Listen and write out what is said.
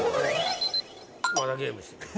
まだゲームしてる。